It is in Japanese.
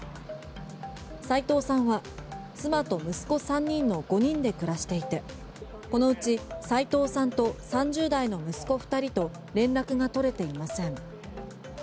齋藤さんは妻と息子３人の５人で暮らしていてこのうち齋藤さんと３０代の息子２人と連絡が取れていません。